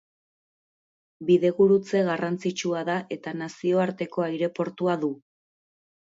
Bidegurutze garrantzitsua da eta nazioarteko aireportua du.